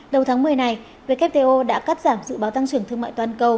đầu tháng một mươi này wto đã cắt giảm dự báo tăng trưởng thương mại toàn cầu